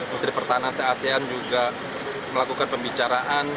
menteri pertahanan se asean juga melakukan pembicaraan